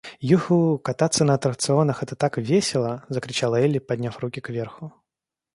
«Юху, кататься на аттракционах это так весело!» — закричала Элли, подняв руки к верху.